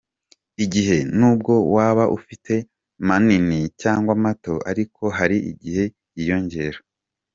Igihe: nubwo waba ufite manini cyangwa mato, ariko hari igihe yiyongera.